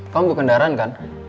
kamu untuk kendaraan kan